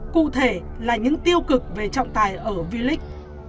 cụ thể là những tiêu cực về trọng tài ở vilich